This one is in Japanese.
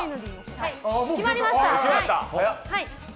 決まりました！